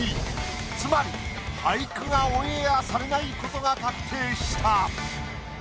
つまり俳句がオンエアされないことが確定した。